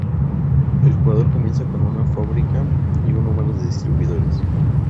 El jugador comienza con una fábrica y un número de distribuidores.